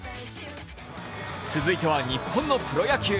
続いては日本のプロ野球。